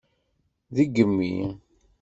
Degmi!